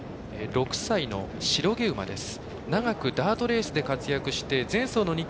６歳の白毛馬です。